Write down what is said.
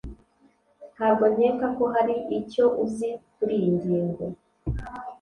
Ntabwo nkeka ko hari icyo uzi kuriyi ngingo